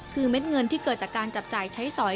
คือเม็ดเงินที่เกิดจากการจับจ่ายใช้สอย